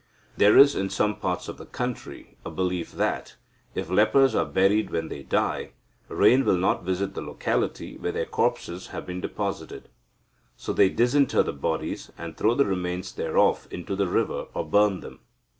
There is, in some parts of the country, a belief that, if lepers are buried when they die, rain will not visit the locality where their corpses have been deposited. So they disinter the bodies, and throw the remains thereof into the river, or burn them.